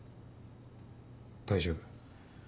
大丈夫。